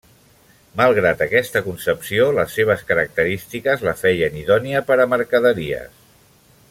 Malgrat aquesta concepció, les seves característiques la feien idònia per a mercaderies.